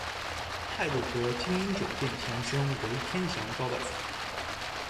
太鲁阁晶英酒店前身为天祥招待所。